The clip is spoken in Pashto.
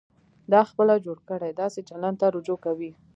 دا خپله جوړ کړي داسې چلند ته رجوع کوي.